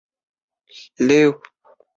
北宋明州慈溪人。